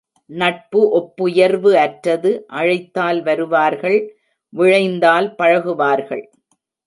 நட்பு ஒப்புயர்வு அற்றது அழைத்தால் வருவார்கள் விழைந்தால் பழகுவார்கள்.